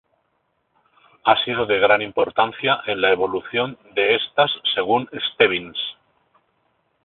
Ha sido de gran importancia en la evolución de estas según Stebbins.